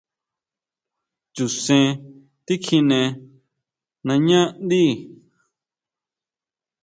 Chu sen tikjine nañá ndí.